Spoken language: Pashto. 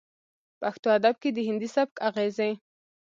پښتو ادب کې د هندي سبک اغېزې